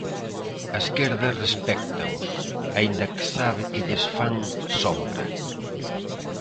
A esquerda respéctaos, aínda que sabe que lles fan sombra.